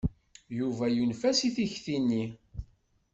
Yuba yunef-as i tikti-nni.